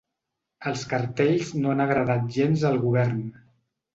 Els cartells no han agradat gens al govern.